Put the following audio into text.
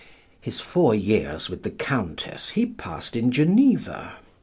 His four years with the Countess he passed in Geneva.